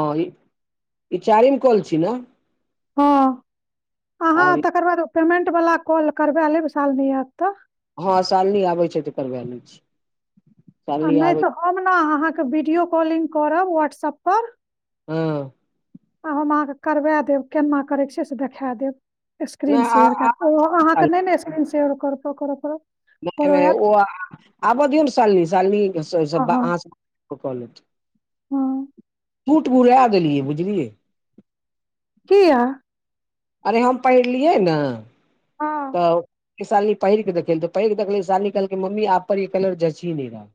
हाँ ई-ई चारिम कॉल छी ने हाँ आब अहाँ तकर बाद पेमेंट वला कॉल करबा लेब सालनी आएत तऽ हाँ सालनी आबै छै तऽ करबा लै छी आ सालनी नहि आबै तऽ हम ने अहाँकेँ वीडियो कॉलिंग करब व्हाट्सप पर हँ आ हम अहाँकेँ करबाए देब केना करै छियै से देखाए देब नहि स्क्रीनसँ आ शेयर आ कऽ ओ अहाँके साल नहि ने स्क्रीन शेयर करऽ पड़त करऽ नहि-नहि आयत ओ-आ-आबऽ दियौ ने सालनी- हँ सालनी-अहाँसभ पपा लेथ हाँ कूट भूलाए देलियै बुझलियै कियाऽ अरे हम पहिरलियै ने हँ तऽ इ सालनी पहिर के देखहीं तऽ पहिर देखल सालनी कहलक मम्मी आप पर ई कलर जच ही नहीं रहा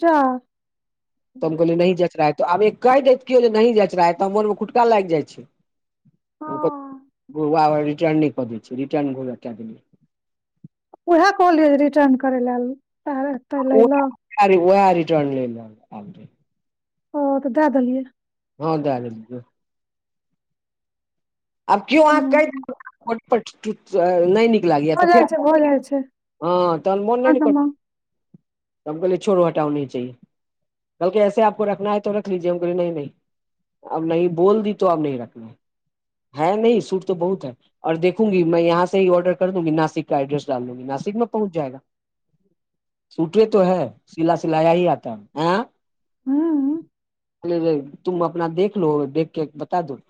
जा तऽ हम कहलियै नी जचरा तो आब एक कहि देत कियौ जे नहीं जच रहा है तऽ मोनमे खुटका लागि जाइ छै हँ [unintelligible] उएह कहलियै रिटर्न करे लऽ ले ले ओ रिटर्न लै लऽ ओ तऽ दए देलियै। हँ द दी अब क्यो अहाँकेँ हँ नै भऽ लाग जाइ फेर छै भऽ जाइ छै हँ त मोन हँ नहि करत तब कहोल छोड़ो हटा नहि चाए। कहलके ऐपो रखना ह त रख लीजए हंगो नहि नहि अब नहि बोल दी तो अब नै रखने है नै सूटो बहुत हऔर देखूंगी मे यहाँ से ऑर्डर कर दूंगी नासिक का एड्रेस। लू नासिक मे पहुँच जाएगा सूटे तो है सिला सिलाया ही आता ह हम्म तुम अपना देख लो देखके बता दऽ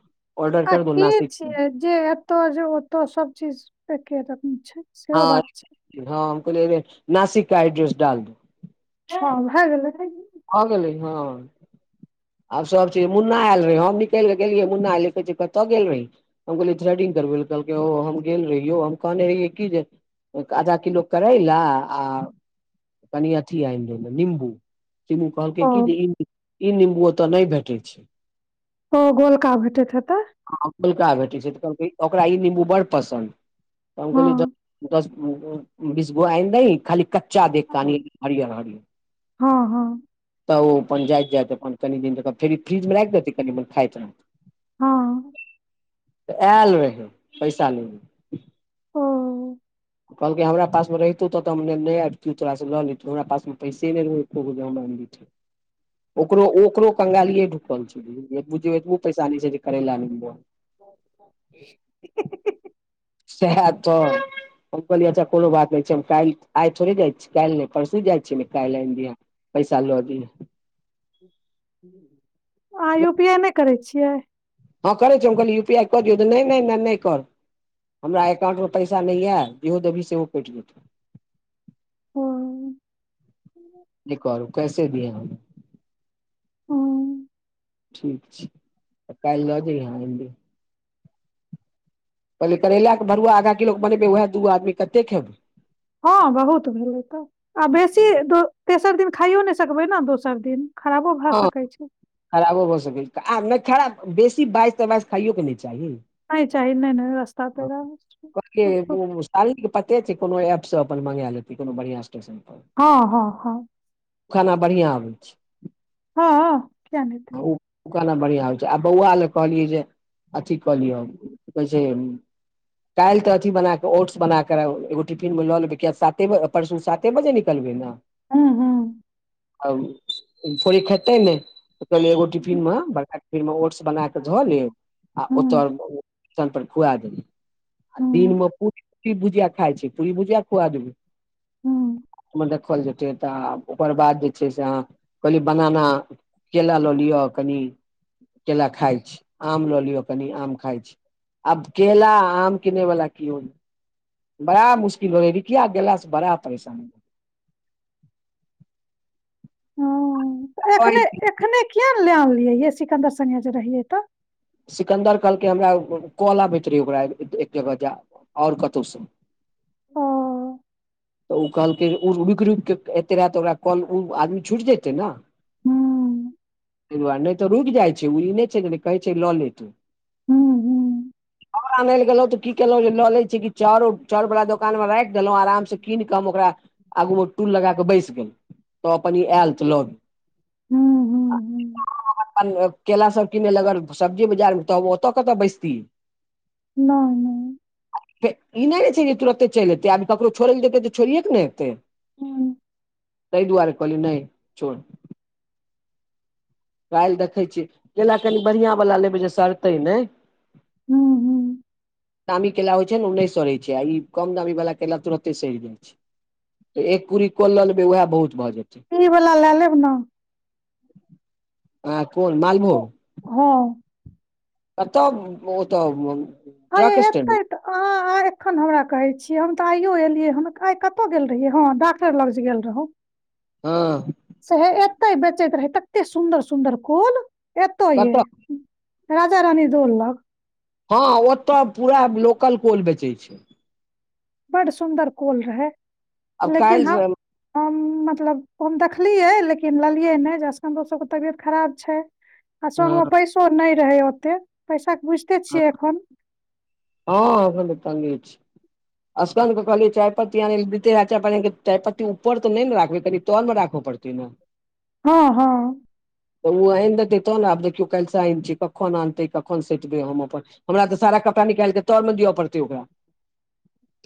ऑर्डर आ कर दो के नासिक में। छिय जे एतऽ जे ओतऽ सभ चीज एक रम छै सेहो हाँ बात छै। हँ हम कहलियै नासिक का एड्रेस डाल द हँ भऽ गेल हँ गेली ह आब सभ चीज मुन्ना आयल रहे हम निकलि कऽ गेलियै मुन्ना ले कहे छै कतहु गेल रही हम कहलि यै इडिग करबे कहलकै ओ हम गेल रहियौ हम कहने रहियै कि जे। एक आधा किलो करै लऽ आ कनि अथि आ द नीमबू सिमबू कहलकै ओ कऽ जे ई नम्बू ओतय नहि भेटै छै ओ गोलका भेटैत हेते हैं पलका भेटै छै तऽ कहलकै ओकरा ई ना निम्बू बड़ पसन्द तऽ हँ कहली दस बीस गो आइ द खाली चाद कान हँ हर ह हँ तऽ ओ अपन जाइत जाइतत अपन कनि दिन तऽ फे फ्रीज मे लागि देतै कनि म खाइत ह तऽ आयल रहै पैसा ल ओ। कहलकै हमरा पास मे रहितौ तो हम नहि आबितौ तोरा सँ लऽ लेतौ हमरा पास मे पैसे नहि रहौ ओकरो ओकरो कंगालीए ढुकल छै। बझ ब पैस न छै जे करैला भऽ ह सएह तऽ हम कहलियै अच्छा कोनो बात नहि छै हम काल्हि। आइ थोड़े जाय छी काल्हि नहि परसू जाइ छियै ने काल्हि आनि दिय पैसा लऽ दियह आई यू पी ए नहि करै छियै हँ करै छै कहल यू पी आई कऽ दिय तऽ नहि नहि कर हमरा एकाउंट मे पैसा नहि यऽ जेहो देबही सेहो कटटि जेतौ। ओ। एक आर कैसे दिए। ह। ठीक छै तऽ काल्हि लऽ जबह एली कहलै करैलाके भरआ आ किलो बनेबैए दू आदमी कते खेबै हँ बहुत भेलै तऽ आ बेसी तेसर दिन खाइयो नहि सकबै ने दोसर दिन। खराबो भऽ हँ सकै छै खराबो भऽ सकै छै आब नय खराब बेसी बाइस तमाइश खाइयो के नय चाही नय चाही नय [unintelligible] [unintelligible] तरिक त पते छै कोनो एपसँ अपन मेंगा लेतै कोनो बढ़िआं स्टेशन पर हँ हँ हँ खाना बढ़ियां अबै छै हँ किया नै हेतै आउ खाना बढ़िआँ होइ छै आ बौआ लए कहलियै जे अथी क लिय कहै छै काल्हि तऽ अथी बना कऽ ओट्स बना कऽ एगो टिफिन मे लऽ लेबै किय साते परसू साते बजे निकलबै ने हूं हूं [unintelligible] री खेतै नय कहलियै एगो टिफिन मे बड़का टिफिन मे ओट्स बना क धऽ लेब आ ओत हुँ, पर खुआ देबै आ हुँ, दिनमे पूरी भुजिया खाइ छै पूरी भुजिया खुआ देबै हूँ ओहिमे देखल जेतै तऽ आ ओकर बाद जे छै से अह कहलिय बनाना केला लऽ लिअ कनि केेला खाय छी आम लऽ लियो कनि आम खाय छी आब केला आम किने वाला कीयो नै बड़ा मुश्किल होे रिकिया गेला सऽ बड़ा परेशान हूं त एखने एखने किया ने लेऽ अनलियै सिकन्दर संगे जे रहियै तऽ सिकन्दर कहलकै हमरा काॅल आबैत रहै ओकरा एक जगह जा आओर कतौह सँ ओ तऽ उ कहलकै ओ रुकि रुकि केऽ एते रहय तऽ ओकरा कल ओ आदमी छुटि जेतै न हूँ तै दुआरे नहि तऽ रुकि जाइ छै ओ ई नय छै ने कहै छै लऽ ले तू हुँ, हुँ, आओर आनैल गेलउ तऽ की केेलौं जे लऽ लै छि कि चाउर चाउरबला दोकान मे राखि देलौं आराम सँ कीन क हम ओकरा आगूमे टूल लगाक बैस गेलौंउ तब अपन आयल तऽ लऽ गेल हूं हूं हूं अपन केला सभ किनै लगल सब्जी बजार मे तऽ ओतऽ कतऽ बैसती नय नय ई नहि नैँ छै जे तुरते चलि एतै आब ककरो छोड़य लऽ जेतै तऽ छोड़िए कऽ ने ऐतै हूं तै दुआरे कहलियै नय छोड़ काल्हि देखै छियै केला कनि बढ़िआँ वला लेबै जे सड़तै नै हूँ हूँ दामी केला होइ छैय नऽ ओ नय सड़ै छै आ ई कम दामीवला केला तुरते सड़ि जाइ छै एक कूड़ी को लऽ लेबै उएह बहुत भऽ जेतै ई बला लऽ लेब नऽ हं कोन मालभोग हूं आऽ तब ओतऽ हयै ट्रक स्टैंड हेतै तऽ अहाँ अहाॅं एखन हमरा कहै छियै हम तऽ आइयो एलियैहन आइ कता गेल रहियै हँ डॉक्टर लग जे गेऽल रहौं ह सेहो एते बेचैत रहै ते सुन्दर सुन्दर कोल सेहो एता यै कतऽ राजा रानी दोल लग। ह ओतऽ पूरा लोकल कोल बेचैत छैय बड़ सुन्दर कोल रहै आब लेकिन काल्हि हम हम मतलब ओ हम देखलियै लेकिन लेलियै नहि सभके तबियत खराब छैय आ संगमे हँ पैसो नहि रहै ओतेक पैसाके बुझ ह अहूँ त तगे छी सकंद के कहलियै चायपत्ती आनय लेल दैते रहै चायपत्ती आनि कऽ चायपत्ती ऊपर त नहि ने राखबै कनि तरमे राखऽ पड़तै ने ह ह तऽ ओ आनि देतै त ने देखियो कैइल सैन छियै कखन आनतै कखन सेट करतै अपन हमरा तऽ सारा कपड़ा निकालिके तर मे दिअ पड़तै ओकरा।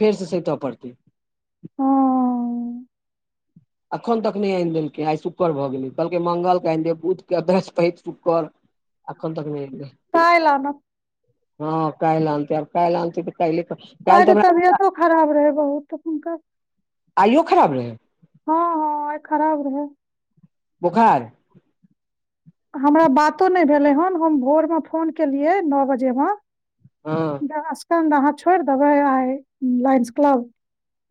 फेरस सतऽ पड़तै ह एखन तक नहि आनि देलकै आइ शुकर भ गेलै कहलकै मंगल के आनि देब बुधके बृहस्पैत फेर शुकर एखन तक नहि आनि देलकैय काल्हि आनब हँ काल्हि आनतै आब काल्हि आनतै [unintelligible] आइ त। तबियतो खराब रहै बहुत हुनकर आइयो खराब रहै। ह ह आइ खराब रहै बोखार। हमरा बातो नहि भेलै हन हम भोर मे फोन केलियै नओ बजेमे ह अहाँ स्केंड छिएर देबे आइ लिनेस क्लाब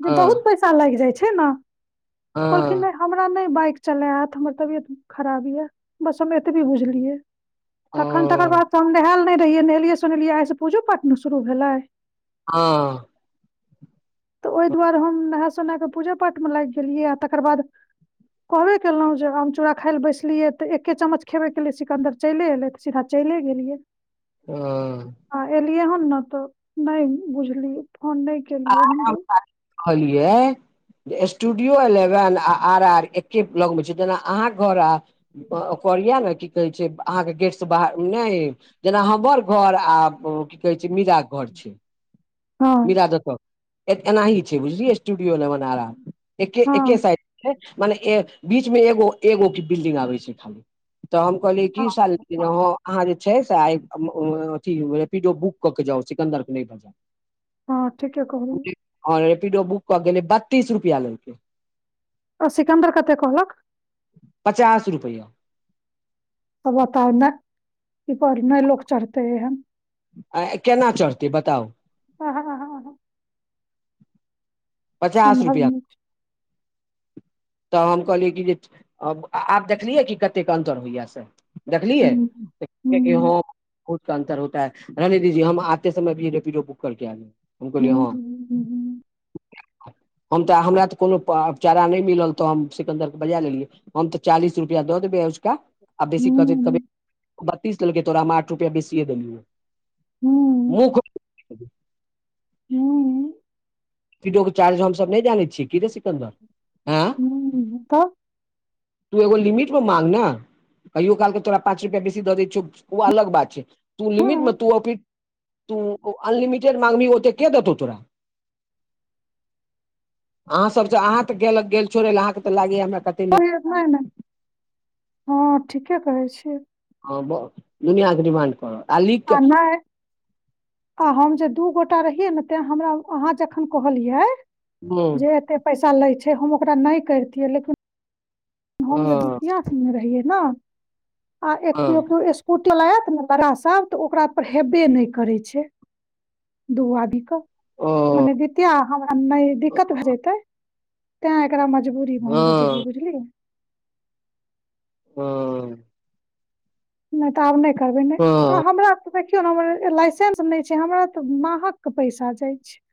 इ हँ बहुत लागि जाइ छै ने कहलखिन हँ हमरा नहि बाइक चलए हेतै हमर तबियत बड़ खराब य बस हम एतबे बुझलियै तखन तकर ओ बादस हम नहायल नहि रहियै नहेलियै सोनेलियै आइस पूजो पाठने शुरू भेलै हू तऽ ओहि दुआरे हम नहा सोना कऽ पूजा पाठमे लागि गेलियै आ तकर बाद कहबे केलहुँ जे आम चूड़ा खाय ले बैसलियै तऽ तऽ एके चमच खेबैके लिए सिकन्दर चलि अयलै तऽ सीधा चलि गेलियै। ह आ एलियै हन ने तऽ नहि बुझलिय फोन नहि आ केलियै हम जे कहलियै स्टूडियो एलेवेन आ आर आर एके लग मे छै जेना अहाँ घर आ कोरिया ल की कहे छै अहाँकेँ गेट से बाहर नहि जेना हमर घर आ कि कहे छै मीरा के घर छै। हँ मरा दक एनाही छै बुझलिय स्टूडियो ल बना रहा एके एके हँ साइड से छै मने बीच मे एगो एगो बिल्डिंग आबै छै खाली तऽ हम कहलिय कि साल जे अहाँ जे छै से आ अथि रेपिडो बुक कऽ के जाउ सिकन्दर के नहिर जाउ। ह ठीके कहल। आओर रेपीडो बुक कऽ गेलै बत्तीस रुपआ लै क ओ सिकमबर कत कहलकऽ पचास रुपैआ तब बताउ नहि ई पर नहि लोक चढ़तेहन। आ केना चढ़तै बताउ। आ ह आ ह पचास सम्भव रुपआ नहि तऽ हम कहलियै कि जे आब देखलियै कि कतेक अन्तर होइया स देखलियै। तब बहुत अन्तर होता है रहने दीजिए हम आते समय भी रेपीडो बुक करके हम कहलिय हँ हम तऽ हमरा तऽ कोनो चारा नहि मिल लऽ तऽ हम सिकन्दर के बजा लेलियै हम तऽ चालीस रुपआ द देबे ओझका आ बेसी कहतै कभी बतीस लेले कै तोरामे आठ रुपआ बेसीए देलियै हू हूँ रेपीडो के चार्ज हमसभ नहि जानै छियै कि रे सिकन्दर ह। तब तू एगो लिमिट मे माग ने। कहियो काल के तोरा पाँच रुपआ बेसी दऽ दै छौ ओ अलग बात छै तू लिमिट मे हम्म, तू तू अनलिमिटेड मंगमी ओत के देत तोरा। अहाँ सभ तऽ अहाँ तऽ गेल गेल छोड़ लए अहाँकेँ तऽ लागेए हमरा कत नहि नहि हँ ठीके करै छियै। हैं दुनिया के डिमांड करत। लिख आ कऽ नै आ हम जे दू गोटा रहियै ने तै हमरा अहाँ जखन कहलियै हँ जे एते पैसा लै छै हम ओकरा नहि करितियै लेकिन हम जे हँ द्वितयथ मे रहियै ने आ एक हँ केओ केओ स्कूटी आत ने लड़का सभ तऽ ओकरा पर हेबे नहि करै छै दू आदीके ओ मने जितिया हमरा नहि दिक्कत भए जेयतै तै एकरा मजबूरी मे हम हँ हँ बजेलियै बुझलियै। ह नहि तऽ आब नहि करबै नहि आ हँ हमरा तऽ देखियौ ने हमर लाइसेस नहि छै हमरा तऽ महकऽ के पैसा जाइ छै।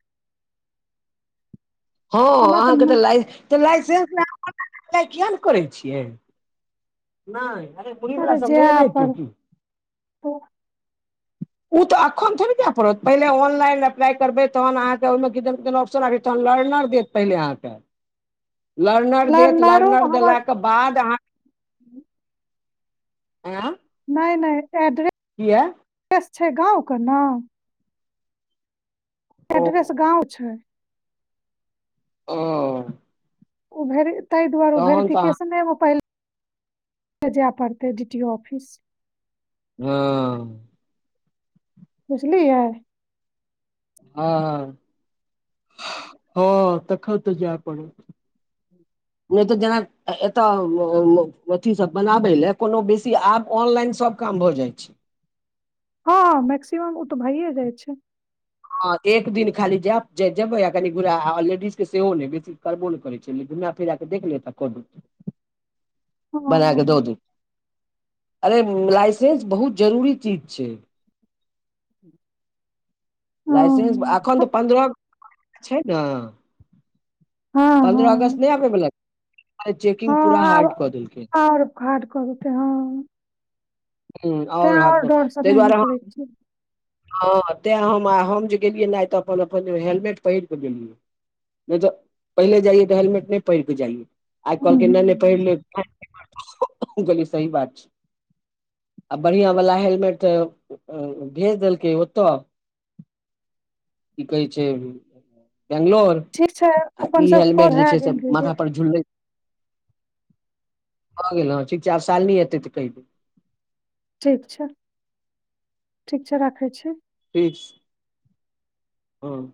हँ हमरा अहाँकेँ न- तऽ तऽ लाइसेंस अप्लै किएक नहि करै छियै। नहि अरे मुरही बला सभ नहि एलैहे क्यो ओ। ऊ तऽ अखन थोड़े जाय पड़त पहिले ऑनलाइन अप्लाइ करबै तहन अहाँकेँ ओहिमे किदन किदन ऑप्शन आरी एतय तहन लरनर के पहिले अहाँकेँ लरनर देत लरनर लर्नरोमे से हमर लयके बाद अहाँ आँय नहि नहि एड्रे किया एड्रेस छै गाव कऽ नाम ओ एड्रेस गाव छै ओ उ ताहि दुआरे उ तहन तऽ भेरिफिकेशने मे खुल ते जाय पड़तै डि टी ओ ऑफिस। हँ बुझलियै। हँ- हँऽ--हँ तखन त जाय पड़त [inaudible] नै तऽ जेना एतय अ-अथी सब बनाबै लेए कोनो बेसी आब ऑनलाइन सब काम भऽ जाय छैय। हँऽ हँ मेक्सिमम ओ तऽ भऽए जाय छैय हँ एक दिन खाली जेब जेबै कनि बुरा लेडीज के सेहो नै बेसी करबो नै करय छैय घुमा फिरा के देख लिय त कोडु बना क दऽ हँ दियौ। अरे लाइसेंस बहुत जरूरी चीज छैय। लाइसेंस आ हँ एखन तऽ पन्द्रह छैय न हँ पन्द्रह हँ अगस्त नै आबैबला आइ चेकिंग हँ पूरा आरो हार्ड कऽ देलकै आओर [unintelligible] हँ हुं तें और आओर हरदम डर स ताहि नै दुआरे हम निकलै छैय हँ तेंय हम आ हम जे गेलियै ने आइ तऽ अपन-अपन हेलमेट पहिर क गेलियै नै ज पहिले जाइयै तऽ हेलमेट नै पहिर क जाइयै आइ हूं कहलकै हूं नै नै पहिर ले हम कहलियै सही बात छैय आ बढ़िया वाला हेलमेट भेज देलकै ओतऽ की कहै छै बेंगलोर ठीक छै आ अपन ई सब कॉल हेलमेट जे भए छैय गेल से दीदी माथा पर झुलबैत भऽ गेल हँ ठीक छै आब शालनी एतै तऽ कहि देब ठीक छै। ठीक छै राखै छी। [unintelligible] -हँ